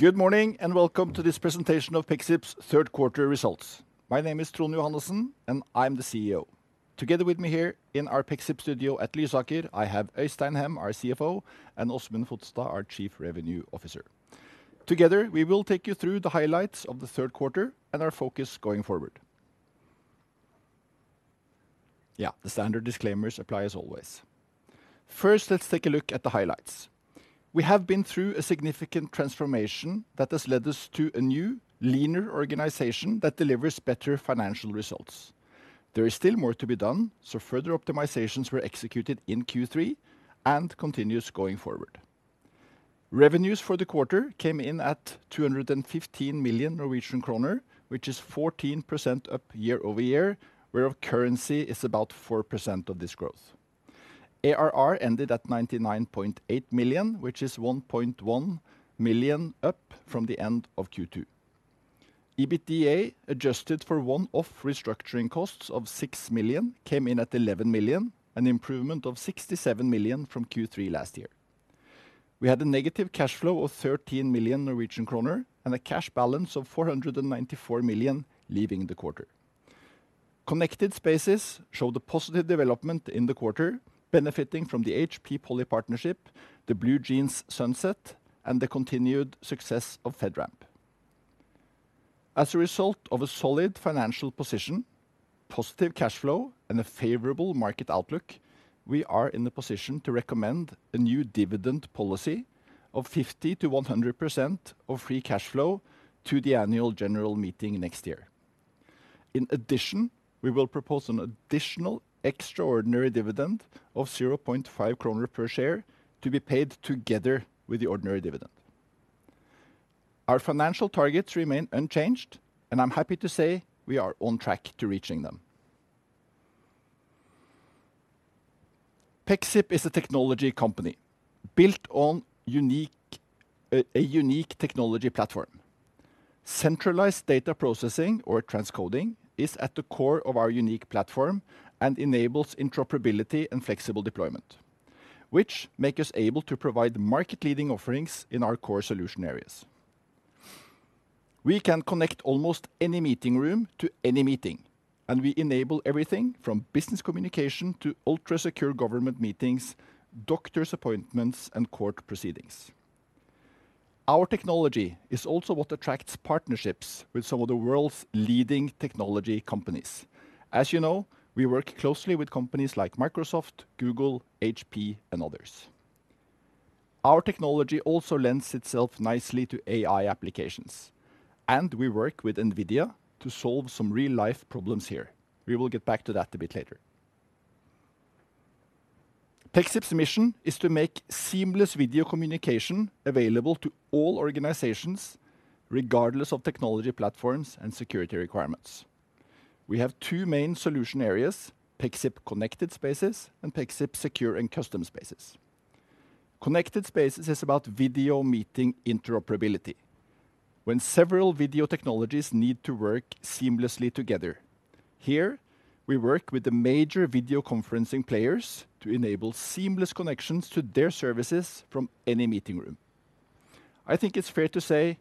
Good morning, and welcome to this presentation of Pexip's Q3 results. My name is Trond Johannessen, and I'm the CEO. Together with me here in our Pexip studio at Lysaker, I have Øystein Hem, our CFO, and Åsmund Fodstad, our Chief Revenue Officer. Together, we will take you through the highlights of the Q3 and our focus going forward. Yeah, the standard disclaimers apply as always. First, let's take a look at the highlights. We have been through a significant transformation that has led us to a new, leaner organization that delivers better financial results. There is still more to be done, so further optimizations were executed in Q3 and continues going forward. Revenues for the quarter came in at 215 million Norwegian kroner, which is 14% up year-over-year, whereof currency is about 4% of this growth. ARR ended at 99.8 million, which is 1.1 million up from the end of Q2. EBITDA, adjusted for one-off restructuring costs of 6 million, came in at 11 million, an improvement of 67 million from Q3 last year. We had a negative cash flow of 13 million Norwegian kroner and a cash balance of 494 million leaving the quarter. Connected Spaces showed a positive development in the quarter, benefiting from the HP Poly partnership, the BlueJeans sunset, and the continued success of FedRAMP. As a result of a solid financial position, positive cash flow, and a favorable market outlook, we are in the position to recommend a new dividend policy of 50%-100% of free cash flow to the annual general meeting next year. In addition, we will propose an additional extraordinary dividend of 0.5 kroner per share to be paid together with the ordinary dividend. Our financial targets remain unchanged, and I'm happy to say we are on track to reaching them. Pexip is a technology company built on a unique technology platform. Centralized data processing or transcoding is at the core of our unique platform and enables interoperability and flexible deployment, which make us able to provide market-leading offerings in our core solution areas. We can connect almost any meeting room to any meeting, and we enable everything from business communication to ultra-secure government meetings, doctor's appointments, and court proceedings. Our technology is also what attracts partnerships with some of the world's leading technology companies. As you know, we work closely with companies like Microsoft, Google, HP, and others. Our technology also lends itself nicely to AI applications, and we work with NVIDIA to solve some real-life problems here. We will get back to that a bit later. Pexip's mission is to make seamless video communication available to all organizations, regardless of technology platforms and security requirements. We have two main solution areas, Pexip Connected Spaces and Pexip Secure and Custom Spaces. Connected Spaces is about video meeting interoperability when several video technologies need to work seamlessly together. Here, we work with the major video conferencing players to enable seamless connections to their services from any meeting room. I think it's fair to say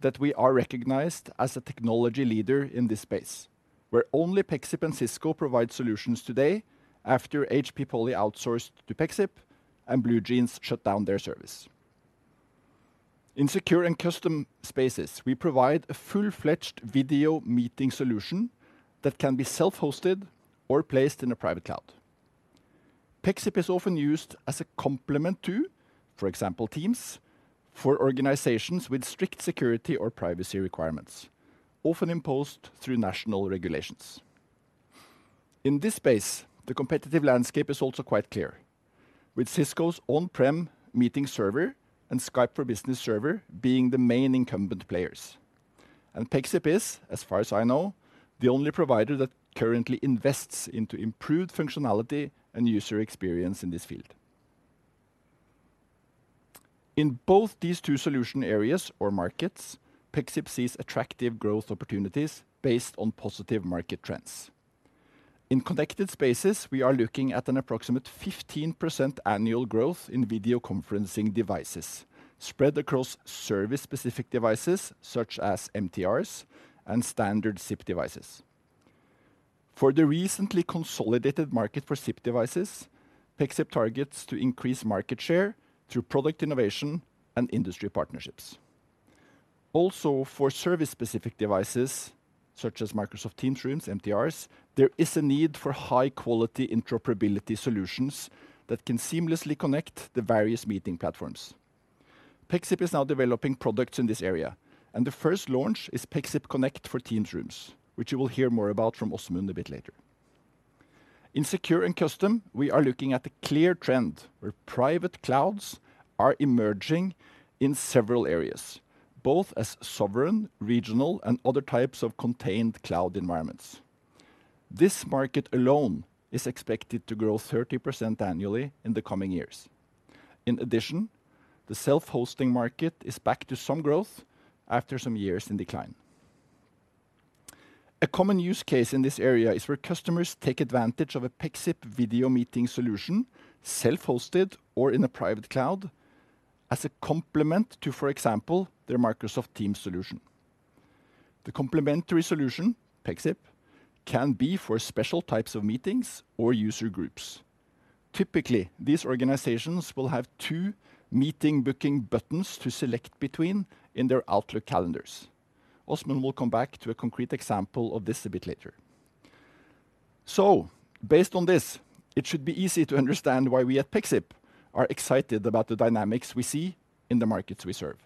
that we are recognized as a technology leader in this space, where only Pexip and Cisco provide solutions today, after HP Poly outsourced to Pexip and BlueJeans shut down their service. In Secure and Custom Spaces, we provide a full-fledged video meeting solution that can be self-hosted or placed in a private cloud. Pexip is often used as a complement to, for example, Teams, for organizations with strict security or privacy requirements, often imposed through national regulations. In this space, the competitive landscape is also quite clear, with Cisco's on-prem meeting server and Skype for Business server being the main incumbent players. Pexip is, as far as I know, the only provider that currently invests into improved functionality and user experience in this field. In both these two solution areas or markets, Pexip sees attractive growth opportunities based on positive market trends. In Connected Spaces, we are looking at an approximate 15% annual growth in video conferencing devices, spread across service-specific devices such as MTRs and standard SIP devices. For the recently consolidated market for SIP devices, Pexip targets to increase market share through product innovation and industry partnerships. Also, for service-specific devices, such as Microsoft Teams Rooms, MTRs, there is a need for high-quality interoperability solutions that can seamlessly connect the various meeting platforms. Pexip is now developing products in this area, and the first launch is Pexip Connect for Teams Rooms, which you will hear more about from Åsmund a bit later. In Secure and Custom, we are looking at a clear trend where private clouds are emerging in several areas, both as sovereign, regional, and other types of contained cloud environments. This market alone is expected to grow 30% annually in the coming years. In addition, the self-hosting market is back to some growth after some years in decline. A common use case in this area is where customers take advantage of a Pexip video meeting solution, self-hosted or in a private cloud, as a complement to, for example, their Microsoft Teams solution. The complementary solution, Pexip, can be for special types of meetings or user groups. Typically, these organizations will have two meeting booking buttons to select between in their Outlook calendars. Åsmund will come back to a concrete example of this a bit later. So based on this, it should be easy to understand why we at Pexip are excited about the dynamics we see in the markets we serve.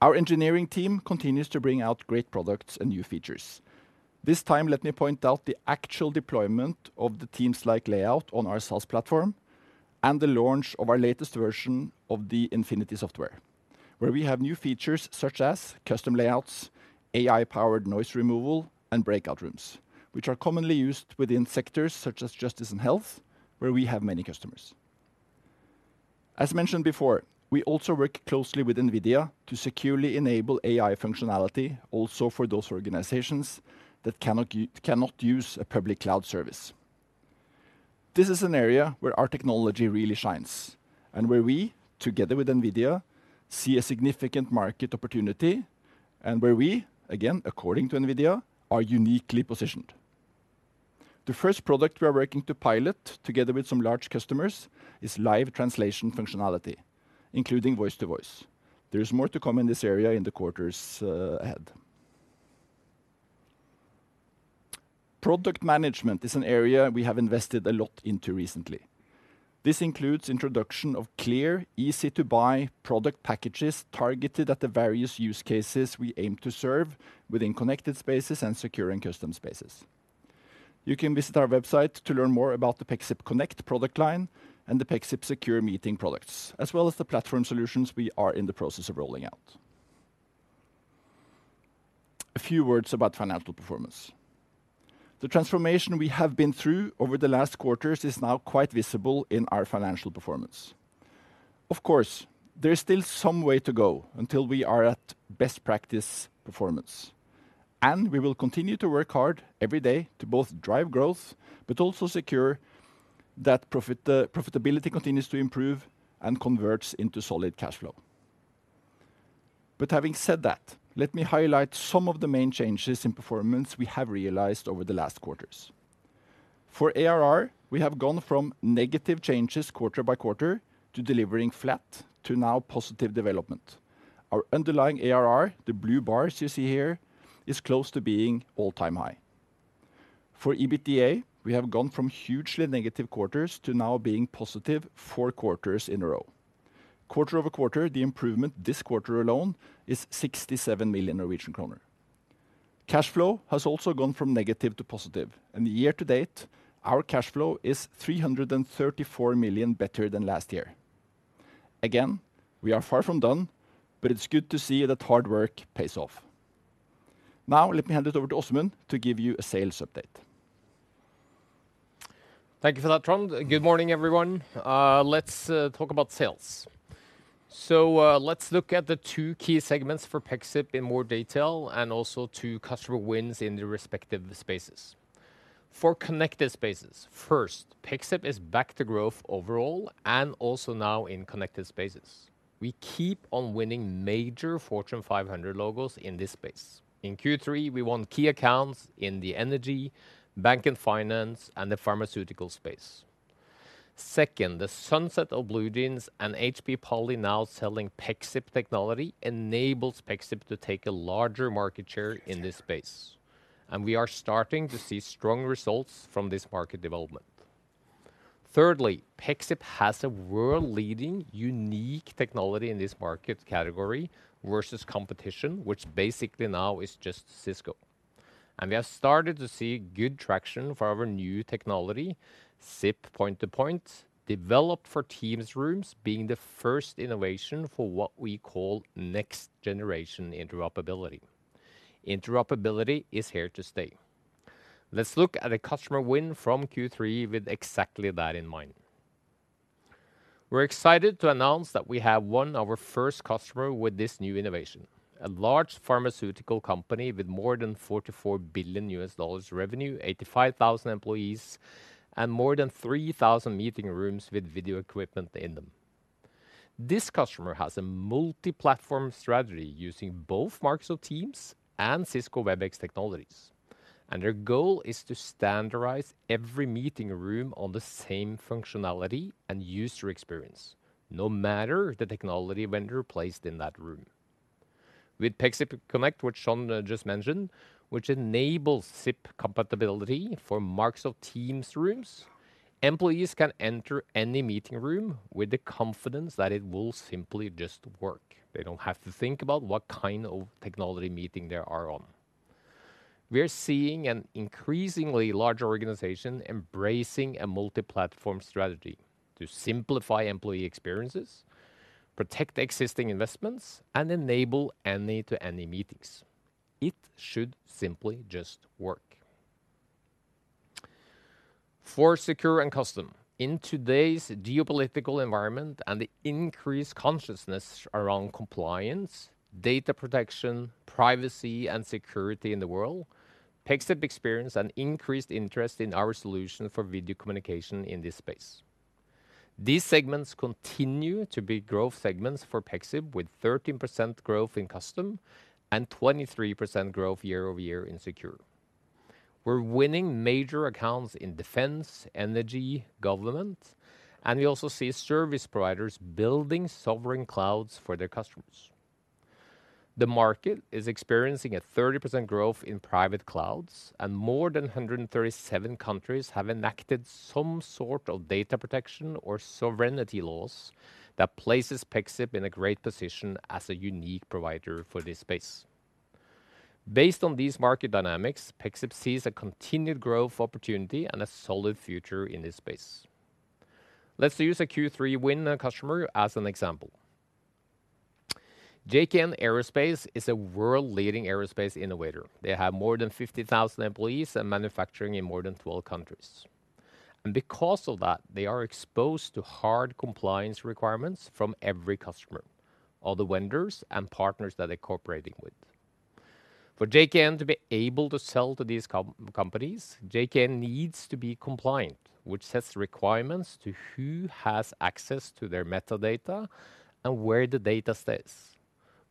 Our engineering team continues to bring out great products and new features. This time, let me point out the actual deployment of the Teams-like layout on our sales platform and the launch of our latest version of the Infinity software, where we have new features such as custom layouts, AI-powered noise removal, and breakout rooms, which are commonly used within sectors such as justice and health, where we have many customers. As mentioned before, we also work closely with NVIDIA to securely enable AI functionality also for those organizations that cannot use a public cloud service. This is an area where our technology really shines and where we, together with NVIDIA, see a significant market opportunity and where we, again, according to NVIDIA, are uniquely positioned. The first product we are working to pilot together with some large customers is live translation functionality, including voice-to-voice. There is more to come in this area in the quarters ahead. Product management is an area we have invested a lot into recently. This includes introduction of clear, easy-to-buy product packages targeted at the various use cases we aim to serve within Connected Spaces and Secure and Custom Spaces. You can visit our website to learn more about the Pexip Connect product line and the Pexip Secure Meeting products, as well as the platform solutions we are in the process of rolling out. A few words about financial performance. The transformation we have been through over the last quarters is now quite visible in our financial performance. Of course, there is still some way to go until we are at best practice performance, and we will continue to work hard every day to both drive growth but also secure that profit, profitability continues to improve and converts into solid cash flow. But having said that, let me highlight some of the main changes in performance we have realized over the last quarters. For ARR, we have gone from negative changes quarter-by-quarter to delivering flat to now positive development. Our underlying ARR, the blue bars you see here, is close to being all-time high. For EBITDA, we have gone from hugely negative quarters to now being positive 4 quarters in a row. Quarter-over-quarter, the improvement this quarter alone is 67 million Norwegian kroner. Cash flow has also gone from negative to positive, and year to date, our cash flow is 334 million better than last year. Again, we are far from done, but it's good to see that hard work pays off. Now, let me hand it over to Åsmund to give you a sales update. Thank you for that, Trond. Good morning, everyone. Let's talk about sales. So, let's look at the two key segments for Pexip in more detail and also two customer wins in the respective spaces. For connected spaces, first, Pexip is back to growth overall and also now in connected spaces. We keep on winning major Fortune 500 logos in this space. In Q3, we won key accounts in the energy, bank and finance, and the pharmaceutical space. Second, the sunset of BlueJeans and HP Poly now selling Pexip technology enables Pexip to take a larger market share in this space, and we are starting to see strong results from this market development. Thirdly, Pexip has a world-leading, unique technology in this market category versus competition, which basically now is just Cisco. We have started to see good traction for our new technology, SIP point-to-point, developed for Teams Rooms, being the first innovation for what we call next-generation interoperability. Interoperability is here to stay. Let's look at a customer win from Q3 with exactly that in mind. We're excited to announce that we have won our first customer with this new innovation, a large pharmaceutical company with more than $44 billion revenue, 85,000 employees, and more than 3,000 meeting rooms with video equipment in them. This customer has a multi-platform strategy using both Microsoft Teams and Cisco Webex technologies, and their goal is to standardize every meeting room on the same functionality and user experience, no matter the technology vendor placed in that room. With Pexip Connect, which Trond just mentioned, which enables SIP compatibility for Microsoft Teams Rooms, employees can enter any meeting room with the confidence that it will simply just work. They don't have to think about what kind of technology meeting they are on. We are seeing an increasingly large organization embracing a multi-platform strategy to simplify employee experiences, protect existing investments, and enable any-to-any meetings. It should simply just work. For Secure and Custom, in today's geopolitical environment and the increased consciousness around compliance, data protection, privacy, and security in the world, Pexip experienced an increased interest in our solution for video communication in this space. These segments continue to be growth segments for Pexip, with 13% growth in Custom and 23% growth year-over-year in Secure. We're winning major accounts in defense, energy, government, and we also see service providers building sovereign clouds for their customers. The market is experiencing a 30% growth in private clouds, and more than 137 countries have enacted some sort of data protection or sovereignty laws that places Pexip in a great position as a unique provider for this space. Based on these market dynamics, Pexip sees a continued growth opportunity and a solid future in this space. Let's use a Q3 win and customer as an example. GKN Aerospace is a world-leading aerospace innovator. They have more than 50,000 employees and manufacturing in more than 12 countries, and because of that, they are exposed to hard compliance requirements from every customer, all the vendors and partners that they're cooperating with. For GKN to be able to sell to these companies, GKN needs to be compliant, which sets requirements to who has access to their metadata and where the data stays.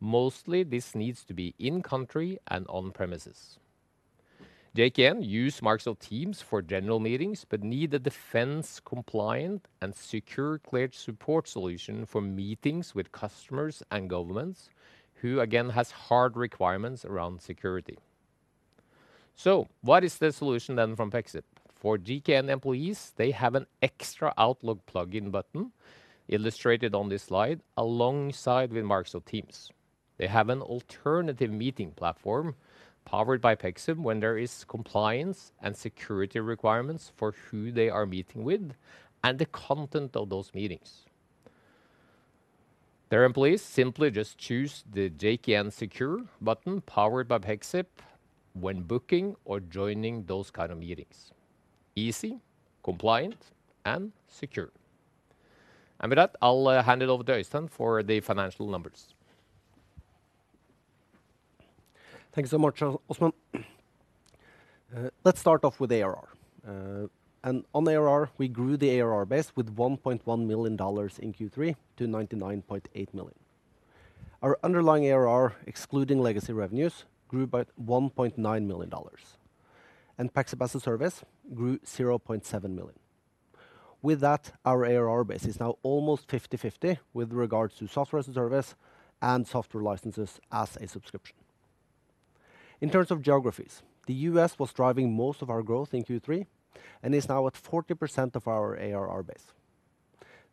Mostly, this needs to be in country and on premises. GKN use Microsoft Teams for general meetings, but need a defense compliant and secure cleared support solution for meetings with customers and governments, who, again, has hard requirements around security. So what is the solution then from Pexip? For GKN employees, they have an extra Outlook plugin button, illustrated on this slide, alongside with Microsoft Teams. They have an alternative meeting platform powered by Pexip when there is compliance and security requirements for who they are meeting with and the content of those meetings. Their employees simply just choose the GKN Secure button, powered by Pexip, when booking or joining those kind of meetings. Easy, compliant, and secure. With that, I'll hand it over to Øystein for the financial numbers. Thank you so much, Asmund. Let's start off with ARR. On ARR, we grew the ARR base with $1.1 million in Q3 to $99.8 million. Our underlying ARR, excluding legacy revenues, grew by $1.9 million, and Pexip as a Service grew $0.7 million. With that, our ARR base is now almost 50/50 with regards to software as a service and software licenses as a subscription. In terms of geographies, the U.S. was driving most of our growth in Q3 and is now at 40% of our ARR base.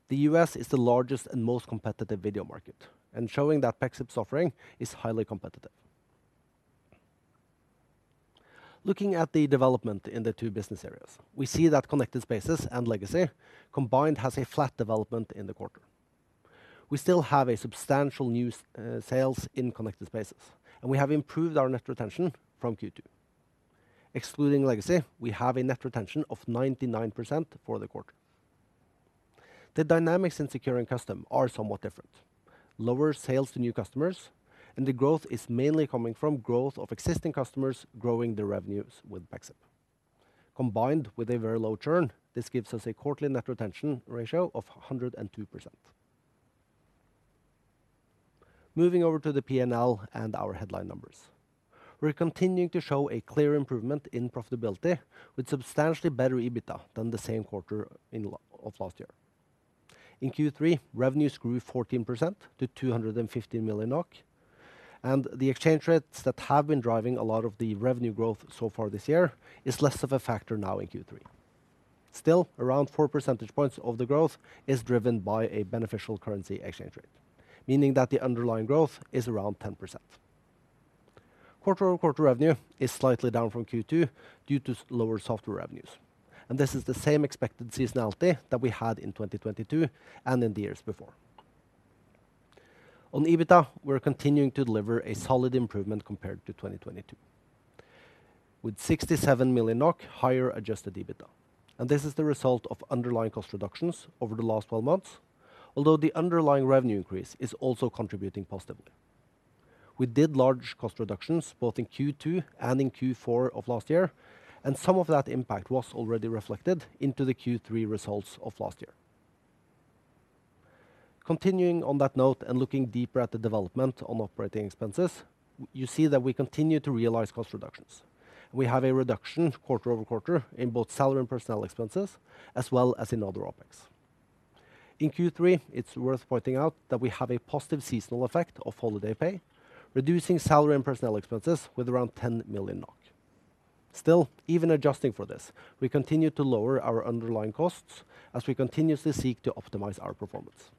The U.S. is the largest and most competitive video market, and showing that Pexip's offering is highly competitive. Looking at the development in the two business areas, we see that Connected Spaces and Legacy combined has a flat development in the quarter. We still have a substantial new sales in Connected Spaces, and we have improved our net retention from Q2. Excluding Legacy, we have a net retention of 99% for the quarter. The dynamics in Secure and Custom are somewhat different. Lower sales to new customers, and the growth is mainly coming from growth of existing customers growing their revenues with Pexip. Combined with a very low churn, this gives us a quarterly net retention ratio of 102%. Moving over to the P&L and our headline numbers. We're continuing to show a clear improvement in profitability, with substantially better EBITDA than the same quarter in last year. In Q3, revenues grew 14% to 215 million NOK, and the exchange rates that have been driving a lot of the revenue growth so far this year is less of a factor now in Q3. Still, around 4% of the growth is driven by a beneficial currency exchange rate, meaning that the underlying growth is around 10%. Quarter-over-quarter revenue is slightly down from Q2 due to lower software revenues, and this is the same expected seasonality that we had in 2022 and in the years before. On EBITDA, we're continuing to deliver a solid improvement compared to 2022, with 67 million NOK higher adjusted EBITDA, and this is the result of underlying cost reductions over the last 12 months, although the underlying revenue increase is also contributing positively. We did large cost reductions both in Q2 and in Q4 of last year, and some of that impact was already reflected into the Q3 results of last year. Continuing on that note and looking deeper at the development on operating expenses, you see that we continue to realize cost reductions. We have a reduction quarter-over-quarter in both salary and personnel expenses, as well as in other OpEx. In Q3, it's worth pointing out that we have a positive seasonal effect of holiday pay, reducing salary and personnel expenses with around 10 million NOK. Still, even adjusting for this, we continue to lower our underlying costs as we continuously seek to optimize our performance.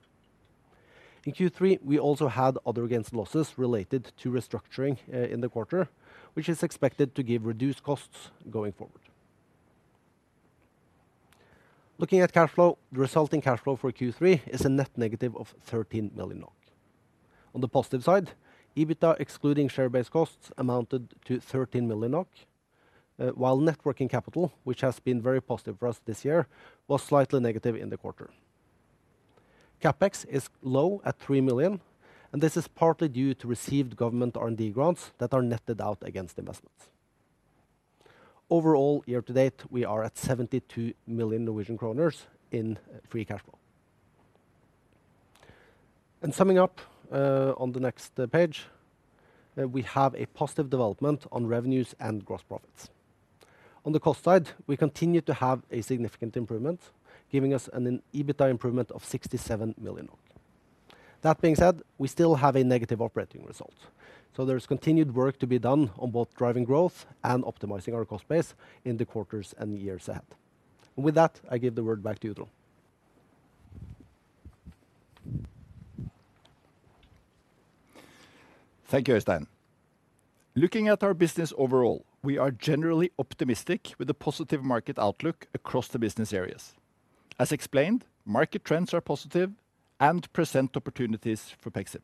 In Q3, we also had other gains and losses related to restructuring in the quarter, which is expected to give reduced costs going forward. Looking at cash flow, the resulting cash flow for Q3 is a net negative of 13 million NOK. On the positive side, EBITDA, excluding share-based costs, amounted to 13 million NOK. While net working capital, which has been very positive for us this year, was slightly negative in the quarter. CapEx is low at 3 million, and this is partly due to received government R&D grants that are netted out against investments. Overall, year to date, we are at 72 million Norwegian kroner in free cash flow. Summing up, on the next page, we have a positive development on revenues and gross profits. On the cost side, we continue to have a significant improvement, giving us an EBITDA improvement of 67 million. That being said, we still have a negative operating result, so there is continued work to be done on both driving growth and optimizing our cost base in the quarters and years ahead. With that, I give the word back to you, Trond. Thank you, Øystein. Looking at our business overall, we are generally optimistic, with a positive market outlook across the business areas. As explained, market trends are positive and present opportunities for Pexip.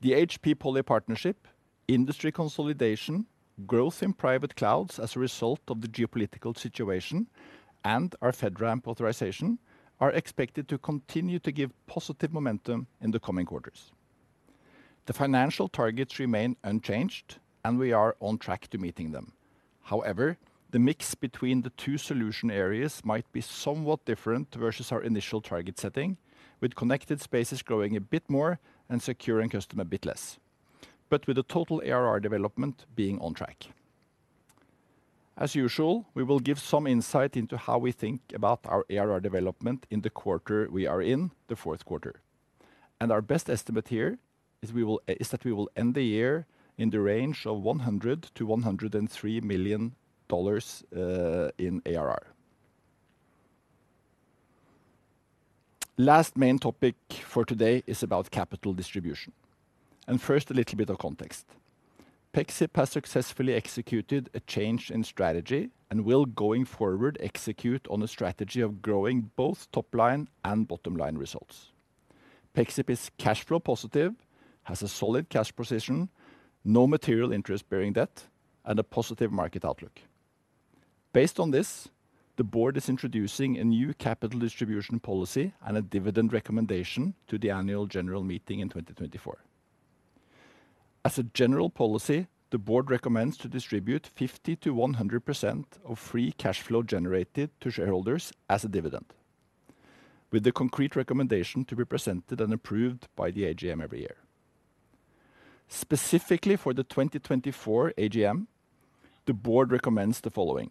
The HP Poly partnership, industry consolidation, growth in private clouds as a result of the geopolitical situation, and our FedRAMP authorization are expected to continue to give positive momentum in the coming quarters. The financial targets remain unchanged, and we are on track to meeting them. However, the mix between the two solution areas might be somewhat different versus our initial target setting, with connected spaces growing a bit more and secure and custom a bit less, but with the total ARR development being on track. As usual, we will give some insight into how we think about our ARR development in the quarter we are in, the Q4, and our best estimate here is we will, is that we will end the year in the range of $100 million-$103 million in ARR. Last main topic for today is about capital distribution, and first, a little bit of context. Pexip has successfully executed a change in strategy and will, going forward, execute on a strategy of growing both top line and bottom line results. Pexip is cash flow positive, has a solid cash position, no material interest-bearing debt, and a positive market outlook. Based on this, the board is introducing a new capital distribution policy and a dividend recommendation to the annual general meeting in 2024. As a general policy, the board recommends to distribute 50%-100% of free cash flow generated to shareholders as a dividend, with the concrete recommendation to be presented and approved by the AGM every year. Specifically for the 2024 AGM, the board recommends the following: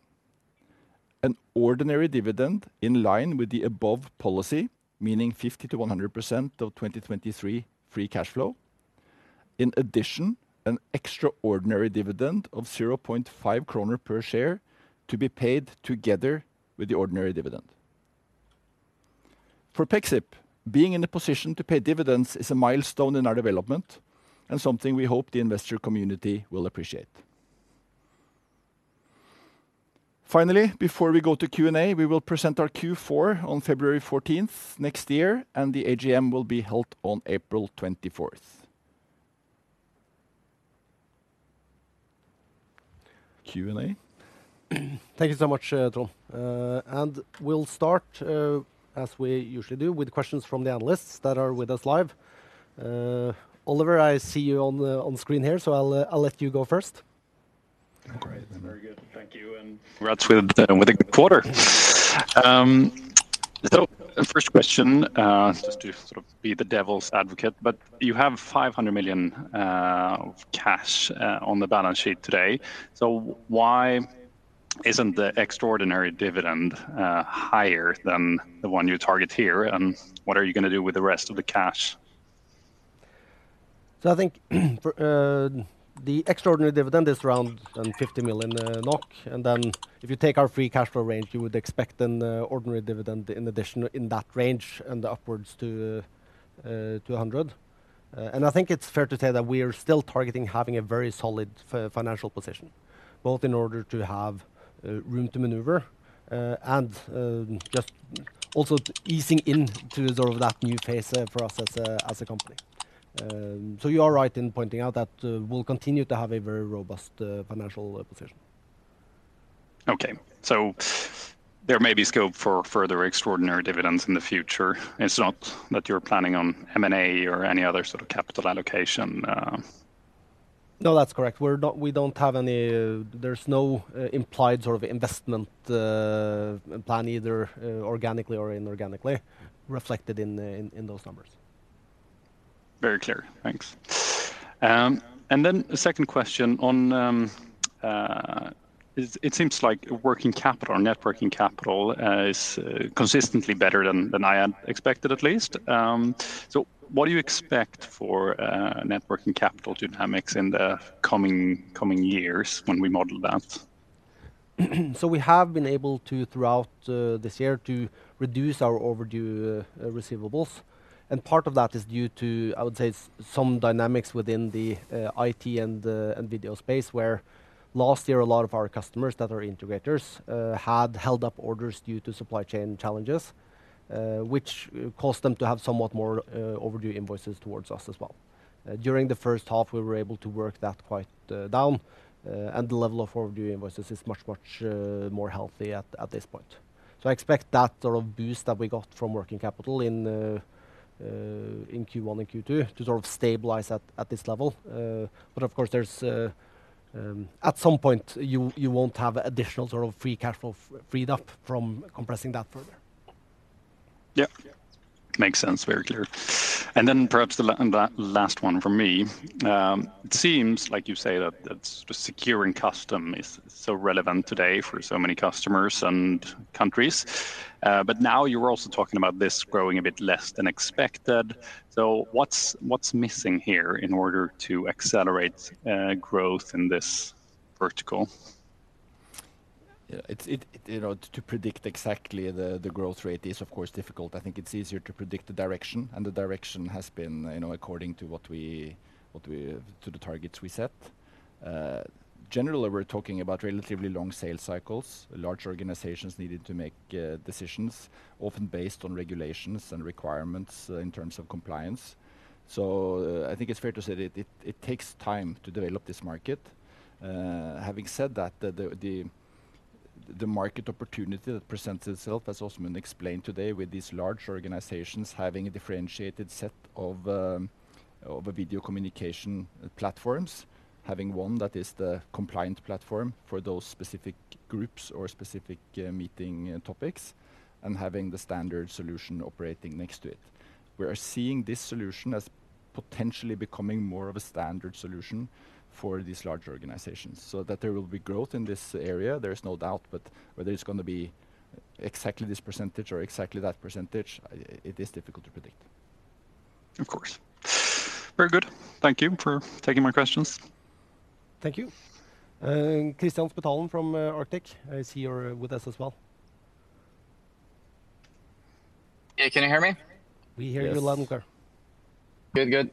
an ordinary dividend in line with the above policy, meaning 50%-100% of 2023 free cash flow. In addition, an extraordinary dividend of 0.5 kroner per share to be paid together with the ordinary dividend. For Pexip, being in a position to pay dividends is a milestone in our development and something we hope the investor community will appreciate. Finally, before we go to Q&A, we will present our Q4 on February 14th next year, and the AGM will be held on April 24th. Q&A? Thank you so much, Trond. We'll start, as we usually do, with questions from the analysts that are with us live. Oliver, I see you on the, on the screen here, so I'll, I'll let you go first. All right. Very good. Thank you, and congrats with a good quarter. So first question, just to sort of be the devil's advocate, but you have 500 million of cash on the balance sheet today, so why isn't the extraordinary dividend higher than the one you target here? And what are you gonna do with the rest of the cash? So I think the extraordinary dividend is around 50 million NOK, and then if you take our Free Cash Flow range, you would expect an ordinary dividend in addition in that range and upwards to 100 million. And I think it's fair to say that we are still targeting having a very solid financial position, both in order to have room to maneuver, and just also easing into sort of that new phase for us as a company. So you are right in pointing out that we'll continue to have a very robust financial position. Okay, so there may be scope for further extraordinary dividends in the future. It's not that you're planning on M&A or any other sort of capital allocation? No, that's correct. We're not, we don't have any. There's no implied sort of investment plan, either, organically or inorganically reflected in the numbers. Very clear. Thanks. And then a second question on... It seems like working capital or Net Working Capital is consistently better than I had expected, at least. So what do you expect for Net Working Capital dynamics in the coming years when we model that? So we have been able to, throughout this year, to reduce our overdue receivables, and part of that is due to, I would say, some dynamics within the IT and video space, where last year, a lot of our customers that are integrators had held up orders due to supply chain challenges, which caused them to have somewhat more overdue invoices towards us as well. During the H1, we were able to work that quite down, and the level of overdue invoices is much, much more healthy at this point. So I expect that sort of boost that we got from working capital in Q1 and Q2 to sort of stabilize at this level. But of course, there's at some point you won't have additional sort of free cash flow freed up from compressing that further. Yeah. Makes sense. Very clear. And then perhaps the last one from me. It seems, like you say, that, that Secure and Custom is so relevant today for so many customers and countries. But now you are also talking about this growing a bit less than expected. So what's, what's missing here in order to accelerate growth in this vertical? Yeah, it's you know, to predict exactly the growth rate is, of course, difficult. I think it's easier to predict the direction, and the direction has been, you know, according to what we to the targets we set. Generally, we're talking about relatively long sales cycles. Large organizations needing to make decisions, often based on regulations and requirements in terms of compliance. So I think it's fair to say that it takes time to develop this market. Having said that, the market opportunity that presents itself, as Åsmund explained today, with these large organizations having a differentiated set of of video communication platforms, having one that is the compliant platform for those specific groups or specific meeting topics, and having the standard solution operating next to it. We are seeing this solution as potentially becoming more of a standard solution for these large organizations. So that there will be growth in this area, there is no doubt, but whether it's gonna be exactly this percentage or exactly that percentage, it is difficult to predict. Of course. Very good. Thank you for taking my questions. Thank you. Kristian Spetalen from Arctic is here with us as well. Yeah, can you hear me? We hear you loud and clear. Good, good.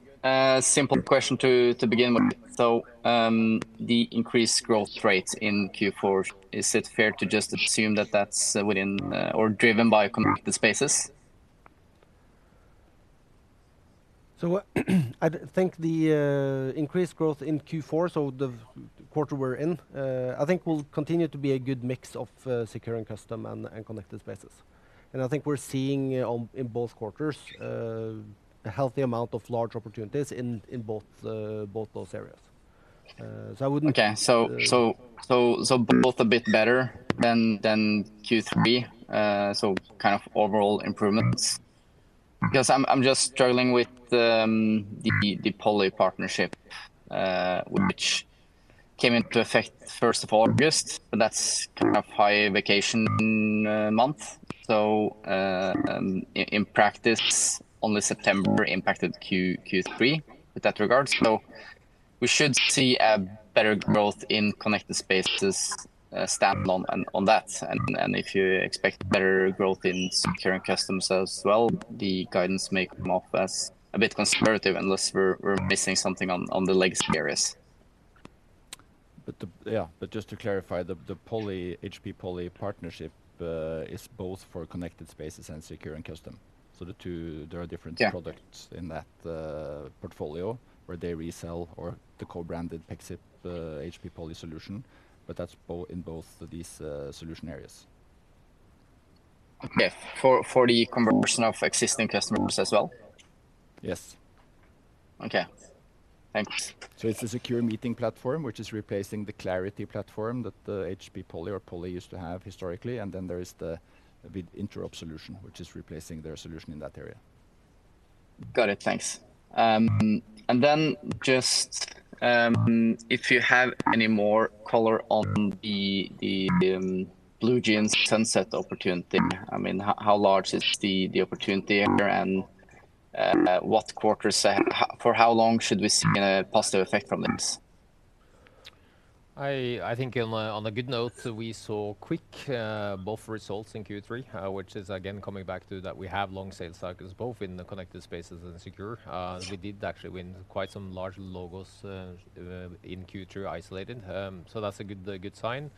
Simple question to begin with. So, the increased growth rate in Q4, is it fair to just assume that that's within, or driven by connected spaces? So, I think the increased growth in Q4, so the quarter we're in, I think will continue to be a good mix of Secure and Custom and Connected Spaces. And I think we're seeing in both quarters a healthy amount of large opportunities in both those areas. So I wouldn't- Okay. So both a bit better than Q3? So kind of overall improvements. Because I'm just struggling with the Poly partnership, which came into effect first of August, but that's kind of high vacation month. So in practice, only September impacted Q3 with that regard. So we should see a better growth in connected spaces standalone on that. And if you expect better growth in secure and custom as well, the guidance may come off as a bit conservative, unless we're missing something on the legacy areas. But yeah, but just to clarify, the Poly, HP Poly partnership is both for Connected Spaces and Secure and Custom. So the two- Yeah... There are different products in that portfolio, where they resell or the co-branded Pexip HP Poly solution, but that's in both of these solution areas. Okay. For the conversion of existing customers as well? Yes. Okay, thanks. It's a secure meeting platform, which is replacing the Clariti platform that the HP Poly or Poly used to have historically, and then there is the interop solution, which is replacing their solution in that area. Got it. Thanks. And then just, if you have any more color on the BlueJeans sunset opportunity, I mean, how large is the opportunity here, and what quarters, how for how long should we see a positive effect from this? I think on a good note, we saw quick both results in Q3, which is again coming back to that we have long sales cycles, both in the Connected Spaces and Secure. We did actually win quite some large logos in Q2 isolated. So that's a good sign.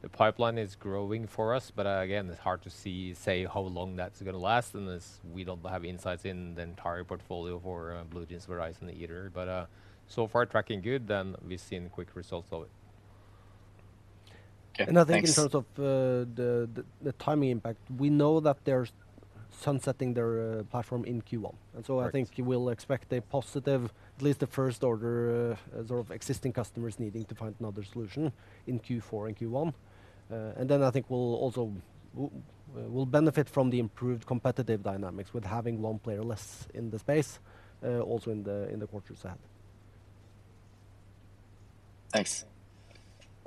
The pipeline is growing for us, but again, it's hard to say how long that's gonna last, unless we don't have insights in the entire portfolio for BlueJeans, Verizon either. But so far tracking good, then we've seen quick results of it. Okay, thanks. I think in terms of the timing impact, we know that they're sunsetting their platform in Q1. Right. And so I think you will expect a positive, at least the first order, sort of existing customers needing to find another solution in Q4 and Q1. And then I think we'll also benefit from the improved competitive dynamics with having one player less in the space, also in the quarters ahead. Thanks.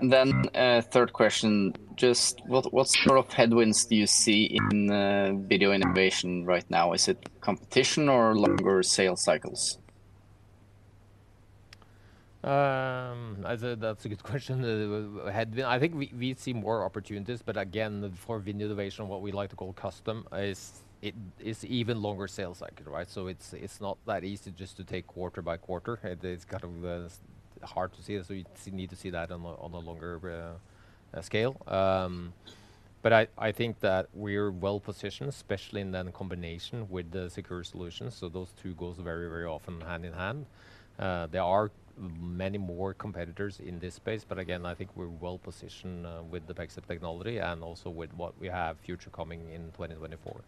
And then, third question, just what sort of headwinds do you see in video innovation right now? Is it competition or longer sales cycles? I say that's a good question. I think we see more opportunities, but again, for video innovation, what we like to call custom, is even longer sales cycle, right? So it's not that easy just to take quarter-by-quarter. It's kind of hard to see. So you need to see that on a longer scale.... But I think that we're well positioned, especially in the combination with the secure solutions. So those two goes very, very often hand in hand. There are many more competitors in this space, but again, I think we're well positioned, with the Pexip technology and also with what we have future coming in 2024.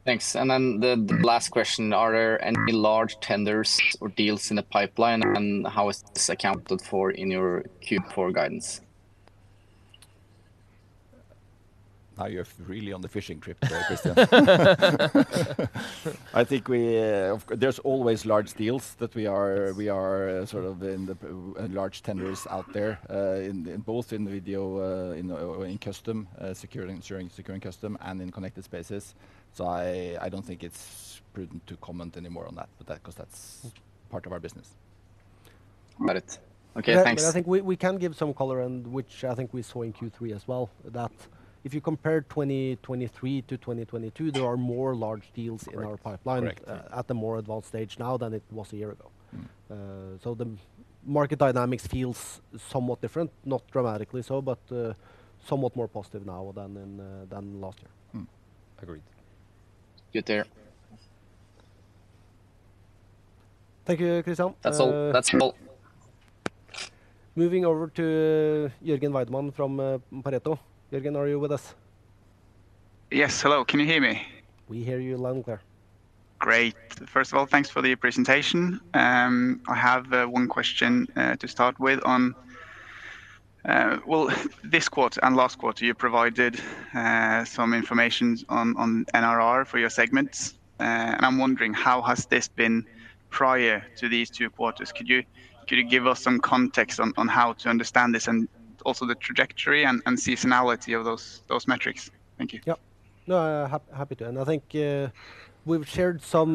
Hmm. Thanks. And then the last question: Are there any large tenders or deals in the pipeline, and how is this accounted for in your Q4 guidance? Now you're really on the fishing trip today, Khristian. I think we... There's always large deals that we are- Yes We are sort of in the large tenders out there, in both in the video, in custom, ensuring secure and custom and in connected spaces. I don't think it's prudent to comment any more on that, 'cause that's part of our business. Got it. Okay, thanks. But I think we can give some color, and which I think we saw in Q3 as well, that if you compare 2023 to 2022, there are more large deals- Correct... In our pipeline- Correct... At the more advanced stage now than it was a year ago. Mm. So the market dynamics feels somewhat different, not dramatically so, but somewhat more positive now than last year. Mm. Agreed. Good to hear. Thank you, Khristian, That's all. That's all. Moving over to Jørgen Weidemann from Pareto. Jørgen, are you with us? Yes. Hello, can you hear me? We hear you loud and clear. Great. First of all, thanks for the presentation. I have one question to start with on, well, this quarter and last quarter, you provided some information on NRR for your segments. And I'm wondering: How has this been prior to these two quarters? Could you give us some context on how to understand this and also the trajectory and seasonality of those metrics? Thank you. Yeah. No, happy to. And I think, we've shared some,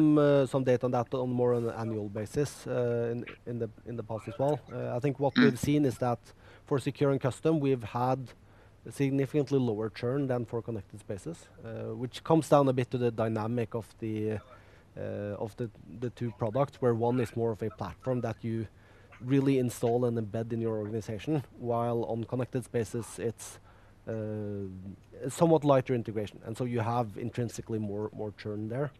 some data on that on more on an annual basis, in, in the past as well. I think what we've seen is that for Secure and Custom, we've had significantly lower churn than for Connected Spaces, which comes down a bit to the dynamic of the, of the, the two products, where one is more of a platform that you really install and embed in your organization, while on Connected Spaces, it's, somewhat lighter integration. And so you have intrinsically more, more churn there-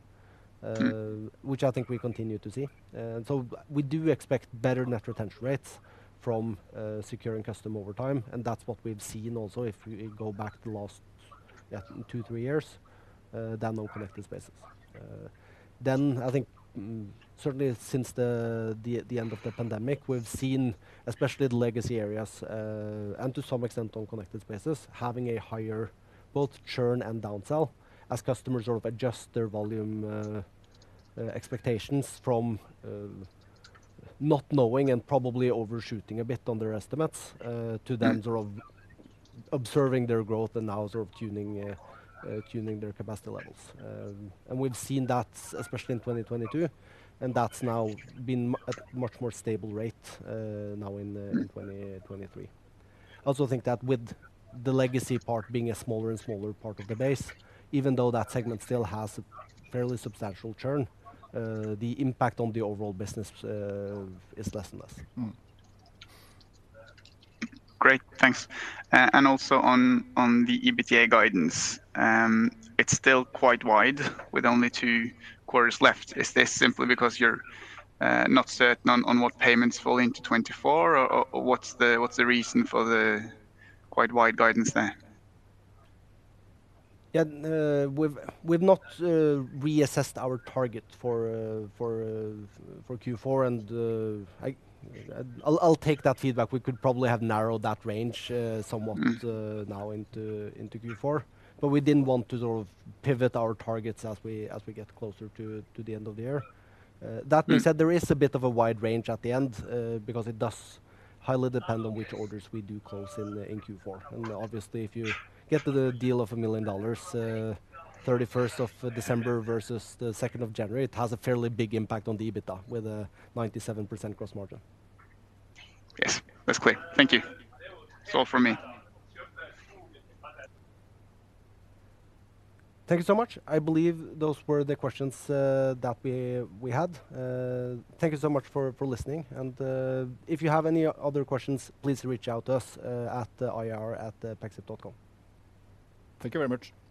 Mm... Which I think we continue to see. We do expect better net retention rates from secure and custom over time, and that's what we've seen also, if we go back to the last, yeah, two, three years, than on connected spaces. I think, certainly since the end of the pandemic, we've seen especially the legacy areas, and to some extent, on connected spaces, having a higher both churn and downsell as customers sort of adjust their volume expectations from not knowing and probably overshooting a bit on their estimates, Mm... To them sort of observing their growth and now sort of tuning their capacity levels. And we've seen that especially in 2022, and that's now been much more stable rate, now in 2023. Mm. I also think that with the legacy part being a smaller and smaller part of the base, even though that segment still has a fairly substantial churn, the impact on the overall business is less and less. Great, thanks. And also on the EBITDA guidance, it's still quite wide with only two quarters left. Is this simply because you're not certain on what payments fall into 2024, or what's the reason for the quite wide guidance there? Yeah, we've not reassessed our target for Q4 and I'll take that feedback. We could probably have narrowed that range somewhat- Mm... Now into Q4, but we didn't want to sort of pivot our targets as we get closer to the end of the year. Mm. That being said, there is a bit of a wide range at the end, because it does highly depend on which orders we do close in Q4. Mm. Obviously, if you get to the deal of $1 million, 31st of December versus the 2nd of January, it has a fairly big impact on the EBITDA with a 97% gross margin. Yes, that's clear. Thank you. That's all for me. Thank you so much. I believe those were the questions that we had. Thank you so much for listening, and if you have any other questions, please reach out to us at ir@pexip.com. Thank you very much.